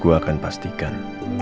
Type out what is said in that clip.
gue akan pastikan